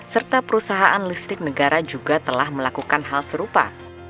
serta perusahaan listrik negara juga telah melakukan hal serupa